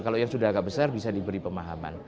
kalau yang sudah agak besar bisa diberi pemahaman